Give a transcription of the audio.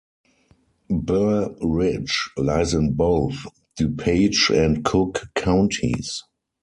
Burr Ridge lies in both Du Page and Cook counties.